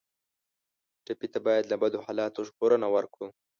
ټپي ته باید له بدو حالاتو ژغورنه ورکړو.